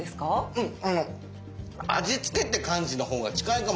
うん！